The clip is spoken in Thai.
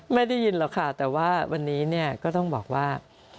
ได้ยินหรอกค่ะแต่ว่าวันนี้เนี่ยก็ต้องบอกว่า